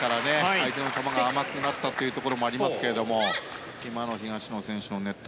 相手の球が甘くなったところもありますけれども今の東野選手のネット